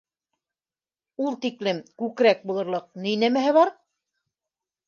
Ул тиклем күкрәк булырлыҡ ни нәмәһе бар.